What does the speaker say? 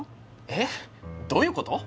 えっ？どういうこと？